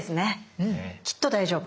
きっと大丈夫。